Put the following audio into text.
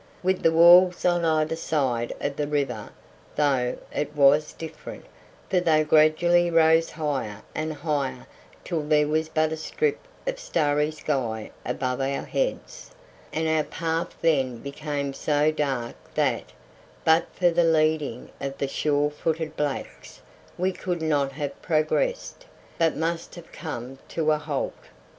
With the walls on either side of the river, though, it was different, for they gradually rose higher and higher till there was but a strip of starry sky above our heads, and our path then became so dark that but for the leading of the sure footed blacks we could not have progressed, but must have come to a halt.